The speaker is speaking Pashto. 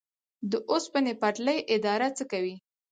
د اوسپنې پټلۍ اداره څه کوي؟